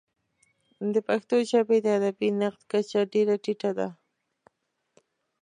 د پښتو ژبې د ادبي نقد کچه ډېره ټیټه ده.